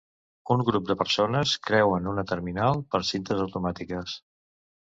Un grup de persones creuen una terminal per cintes automàtiques.